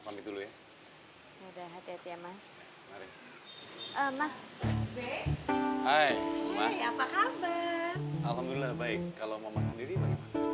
sendirian di amerika